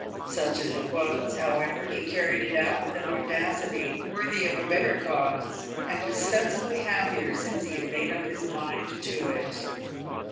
Such as it was, however, he carried it out with an audacity worthy of a better cause, and was sensibly happier since he had made up his mind to it.